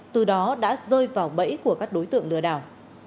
từ đó đã rơi vào bẫy của các đối tượng lừa đảo